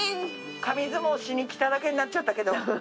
紙相撲しにきただけになっちゃったけど。